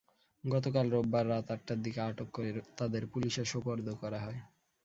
গতকাল রোববার রাত আটটার দিকে আটক করে তাদের পুলিশে সোপর্দ করা হয়।